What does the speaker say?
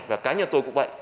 và cá nhân tôi cũng vậy